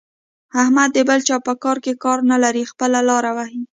احمد د بل چا په کار کې کار نه لري؛ خپله لاره وهي.